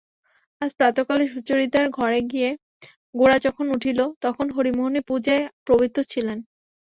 আজ প্রাতঃকালে সুচরিতার ঘরে গিয়া গোরা যখন উঠিল তখন হরিমোহিনী পূজায় প্রবৃত্ত ছিলেন।